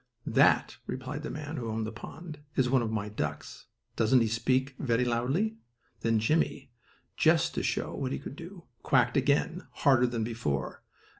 "That," replied the man who owned the pond, "is one of my ducks. Doesn't he speak very loudly?" Then Jimmie, just to show what he could do, quacked again, harder than before.